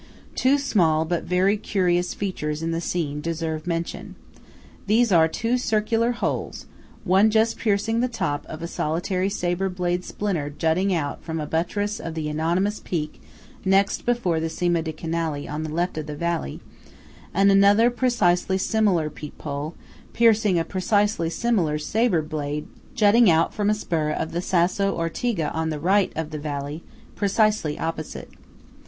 Two small but very curious features in the scene deserve mention: these are two circular holes, one just piercing the top of a solitary sabre blade splinter jutting out from a buttress of the anonymous peak next before the Cima di Canali on the left of the valley; and another precisely similar peep hole piercing a precisely similar sabre blade jutting out from a spur of the Sasso Ortiga on the right of the valley, precisely opposite.